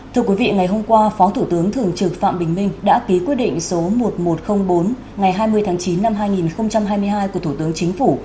thưa quý vị ngày hôm qua phó thủ tướng thường trực phạm bình minh đã ký quyết định số một nghìn một trăm linh bốn ngày hai mươi tháng chín năm hai nghìn hai mươi hai của thủ tướng chính phủ